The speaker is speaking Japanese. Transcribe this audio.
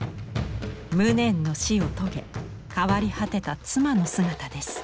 無念の死を遂げ変わり果てた妻の姿です。